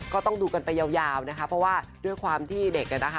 ก็ต้องดูกันไปยาวนะครับเพราะด้วยความที่เด็ก